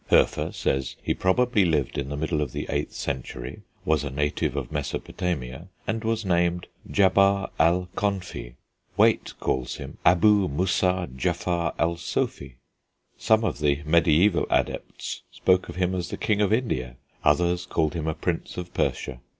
Hoefer says he probably lived in the middle of the 8th century, was a native of Mesopotamia, and was named Djabar Al Konfi. Waite calls him Abou Moussah Djafar al Sofi. Some of the mediæval adepts spoke of him as the King of India, others called him a Prince of Persia.